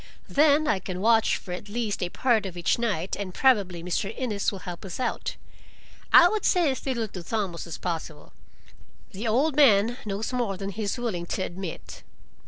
Then I can watch for at least a part of each night and probably Mr. Innes will help us out. I would say as little to Thomas as possible. The old man knows more than he is willing to admit."